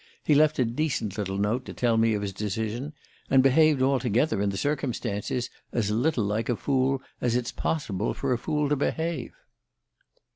He left a decent little note to tell me of his decision, and behaved altogether, in the circumstances, as little like a fool as it's possible for a fool to behave